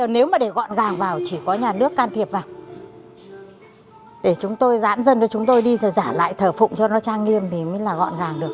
nếu mà để gọn gàng vào chỉ có nhà nước can thiệp vào để chúng tôi giãn dân cho chúng tôi đi rồi giả lại thờ phụng cho nó trang nghiêm thì mới là gọn gàng được